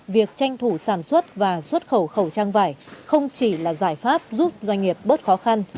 việc tranh thủ sản xuất và xuất khẩu khẩu trang vải không chỉ là giải pháp giúp doanh nghiệp bớt khó khăn